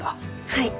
はい。